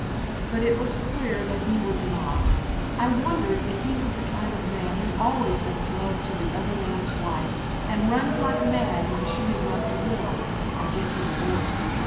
But it was clear that he was not; I wondered if he was the kind of man who always makes love to the other man's wife and runs like mad when she is left a widow, or gets a divorce.